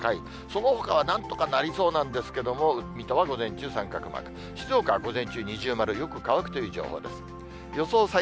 そのほかはなんとかなりそうなんですけども、水戸は午前中三角マーク、静岡は午前中二重丸、よく乾くという情報です。